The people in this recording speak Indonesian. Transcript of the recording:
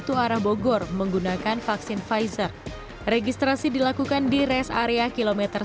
sengaja semua orang digunakan viele jauh lebih baik kalau diulturnya caranya fellow loyzic dan